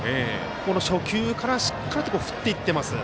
初球からしっかりと振っていってます。